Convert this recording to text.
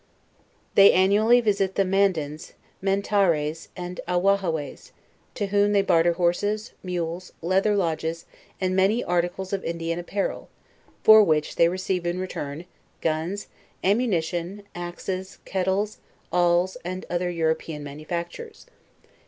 They annually visit the Mandans, Menetares, and Ahwahhaways, to whom they barter horses, mules, leather lodges, and many articles of Indian apparel, for wich they receive in return, guns, ammunition, axes, ket tles, awls, and other European manufactures.